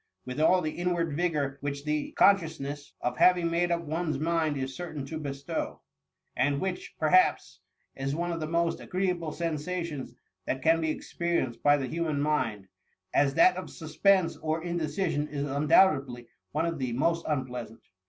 with all that inward vigour which the consci ousness of having made up one^s mind is cer tain to bestow ; and whicb^ perhaps, is one of the most agreeable sensations that can be ex perienced by the human mind, as that of sus pense or indecision is undoubtedly one of the most unpleasant.